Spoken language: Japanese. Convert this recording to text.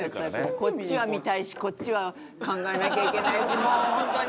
こっちは見たいしこっちは考えなきゃいけないしもうホントに。